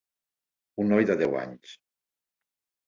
Un noi de deu anys.